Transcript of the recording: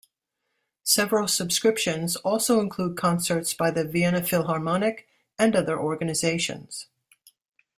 Several subscriptions also include concerts by the Vienna Philharmonic and other organizations.